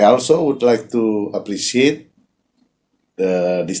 saya juga ingin menghargai penerima yang terkenal